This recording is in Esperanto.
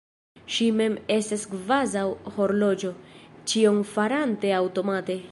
Ŝi mem estas kvazaŭ horloĝo, ĉion farante aŭtomate.